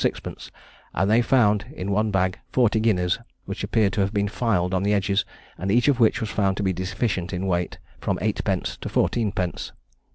_; and they found in one bag forty guineas, which appeared to have been filed on the edges, and each of which was found to be deficient in weight, from eight pence to fourteen pence.